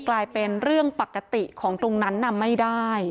กลายเป็นเรื่องปกติของตรงนั้นนำไม่ได้